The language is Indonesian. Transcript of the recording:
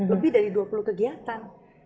lebih dari dua puluh kegiatan